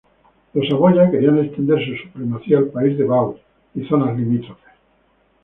Los Saboya querían extender su supremacía al país de Vaud y zonas limítrofes.